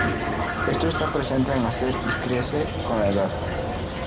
Esto está presente al nacer y crece con la edad.